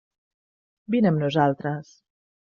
Vine amb nosaltres.